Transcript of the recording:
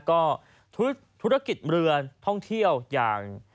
ก็ธุรกิจเรือนท่องเที่ยวอย่าง